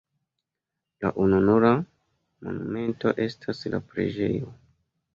La ununura monumento estas la preĝejo.